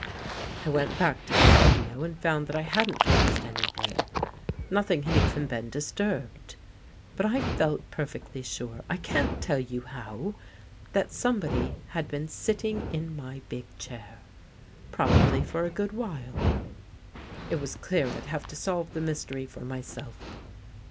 " I went back to the studio and found that I hadn't lost anything — nothing had even been disturbed. But I felt perfectly sure ■— I can't tell you how — that somebody had been sitting in my big chair. Probably for a good while. It was clear 37 THE GHOST GIRL I'd have to solve the mystery for myself.